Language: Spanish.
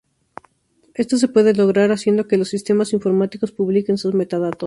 Esto se puede lograr haciendo que los sistemas informáticos publiquen sus metadatos.